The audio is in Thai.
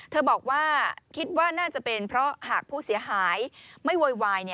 บอกว่าคิดว่าน่าจะเป็นเพราะหากผู้เสียหายไม่โวยวาย